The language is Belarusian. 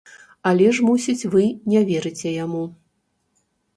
Але ж, мусіць, вы не верыце яму.